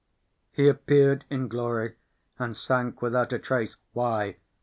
] He appeared in glory and sank without a trace. Why?